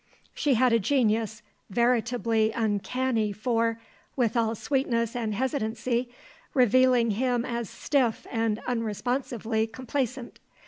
She had a genius, veritably uncanny for, with all sweetness and hesitancy, revealing him as stiff and unresponsively complacent.